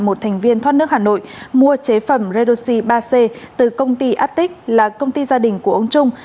một thành viên thoát nước hà nội mua chế phẩm redoxi ba c từ công ty attic là công ty gia đình của ông trung